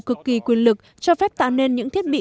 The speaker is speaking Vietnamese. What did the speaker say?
cực kỳ quyền lực cho phép tạo nên những thiết bị